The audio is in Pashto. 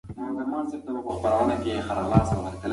که زده کوونکي وهڅول سی نو ښه پایله ورکوي.